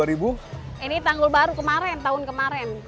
ini tanggul baru kemarin tahun kemarin